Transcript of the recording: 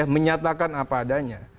menyatakan apa adanya